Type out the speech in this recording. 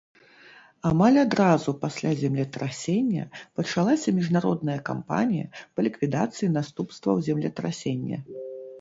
Амаль адразу пасля землетрасення пачалася міжнародная кампанія па ліквідацыі наступстваў землетрасення.